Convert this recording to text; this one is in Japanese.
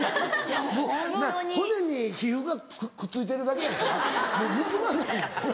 もうな骨に皮膚がくっついてるだけやからもうむくまないんやろな。